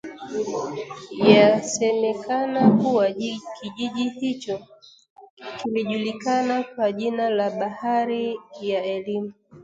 Yasemekana kuwa kijiji hicho kilijulikana kwa jina la bahari ya elimu